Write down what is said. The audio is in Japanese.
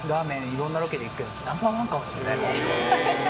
いろんなロケで行くけどＮｏ．１かもしれない。